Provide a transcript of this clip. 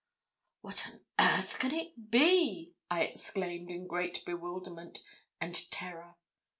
'What on earth can it be?' I exclaimed, in great bewilderment and terror.